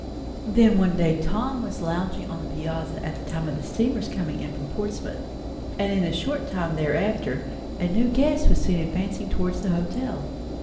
Then one day Tom was lounging on the piazza at the time of the steamer's coming in from Portsmouth; and in a short time thereafter a new guest was seen advancing towards the hotel.